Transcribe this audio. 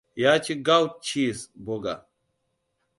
Yaci goat cheese burger.